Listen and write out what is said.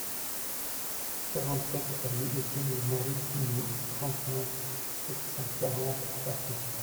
quarante-sept avenue Etienne et Marie Pinault, trente-cinq, sept cent quarante à Pacé